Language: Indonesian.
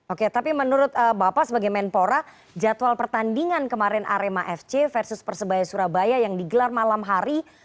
oke tapi menurut bapak sebagai menpora jadwal pertandingan kemarin arema fc versus persebaya surabaya yang digelar malam hari